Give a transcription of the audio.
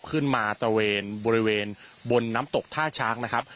ตระเวนบริเวณบนน้ำตกท่าช้างนะครับ